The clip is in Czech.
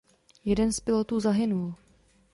Jeden z pilotů zahynul.